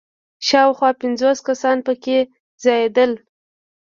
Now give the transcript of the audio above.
شاوخوا پنځوس کسان په کې ځایېدل.